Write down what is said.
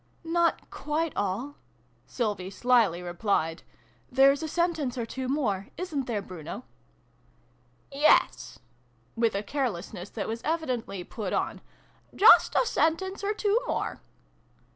" Not quite all," Sylvie slily replied. " There's a sentence or two more. Isn't there, Bruno ?"" Yes," with a carelessness that was evi dently put on : "just a sentence or two more."